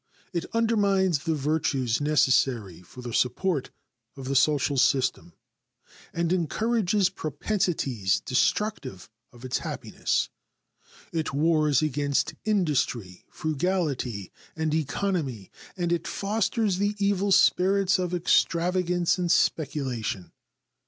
It undermines the virtues necessary for the support of the social system and encourages propensities destructive of its happiness; it wars against industry, frugality, and economy, and it fosters the evil spirits of extravagance and speculation.